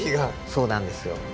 そうなんですよ。